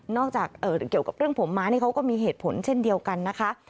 เกี่ยวกับเกี่ยวกับเรื่องผมม้านี่เขาก็มีเหตุผลเช่นเดียวกันนะคะ